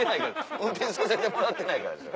運転させてもらってないからですよ。